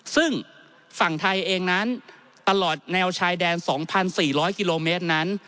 ซึ่งฝั่งไทยเองนั้นตลอดแนวชายแดน๒๔๐๐กิโลเมตรนั้น